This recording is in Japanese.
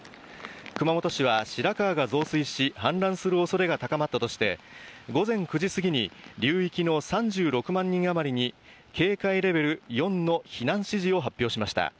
熊本市は白川が増水し、氾濫するおそれが高まったとして、午前９時過ぎに流域の３６万人余りに警戒レベル４の避難指示を発表しました。